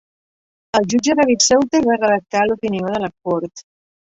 El jutge David Souter va redactar l'opinió de la Cort.